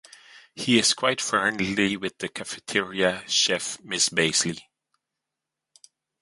He is quite friendly with the cafeteria chef Miss Beazley.